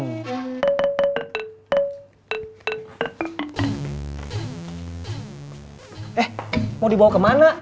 eh mau dibawa kemana